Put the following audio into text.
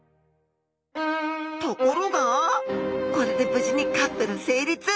ところがこれで無事にカップル成立！